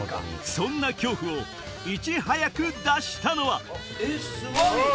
そんな恐怖をいち早く脱したのはえっすごい！